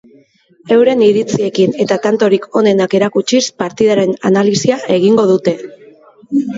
Euren iritziekin eta tantorik onenak erakutsiz, partidaren analisia egingo dute.